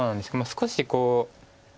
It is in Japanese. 少しこう。